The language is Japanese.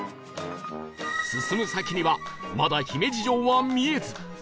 進む先にはまだ姫路城は見えず